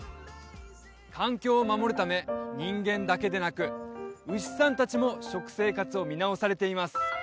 環境を守るため人間だけでなく牛さん達も食生活を見直されています